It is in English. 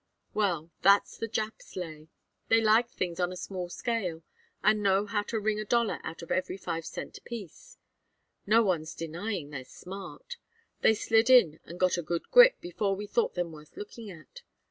Well, that's the Japs' lay. They like things on a small scale and know how to wring a dollar out of every five cent piece. No one's denying they're smart. They slid in and got a good grip before we thought them worth looking at.